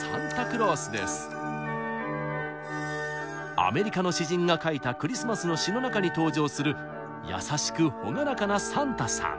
アメリカの詩人が書いたクリスマスの詩の中に登場する優しく朗らかなサンタさん。